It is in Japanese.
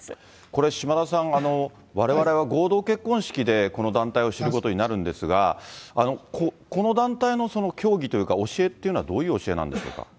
これ、島田さん、われわれは合同結婚式でこの団体を知ることになるんですが、この団体の教義というか教えっていうのは、どういう教えなんでしょうか。